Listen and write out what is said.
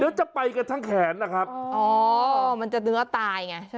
เดี๋ยวจะไปกันทั้งแขนนะครับอ๋อมันจะเนื้อตายไงใช่ไหม